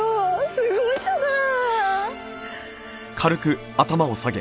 すごいじゃない！